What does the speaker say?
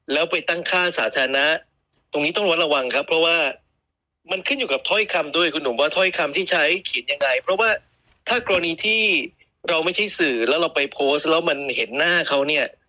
แล้วไปตั้งค่าสาธารณะตรงนี้ต้องวัดระวังครับเพราะว่ามันขึ้นอยู่กับถ้อยคำด้วยคุณหนุ่มว่าถ้อยคำที่ใช้เขียนยังไงเพราะว่าถ้ากรณีที่เราไม่ใช่สื่อแล้วเราไปโพสต์แล้วมันเห็นหน้าเขาเนี่ย